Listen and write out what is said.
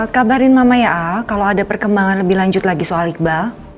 kabarin mama ya a kalau ada perkembangan lebih lanjut lagi soal iqbal